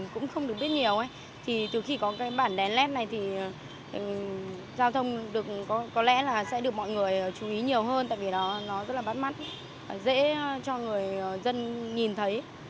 có lẽ là sẽ được mọi người chú ý nhiều hơn tại vì nó rất là bắt mắt dễ cho người dân nhìn thấy